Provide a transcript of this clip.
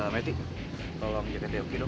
meti tolong jaketnya oki dong